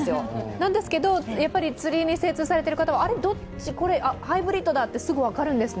なんですけど、釣りに精通されている方は、これハイブリッドだってすぐ分かるんですね。